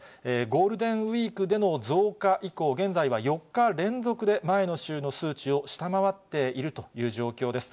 ゴールデンウィークでの増加以降、現在は４日連続で前の週の数値を下回っているという状況です。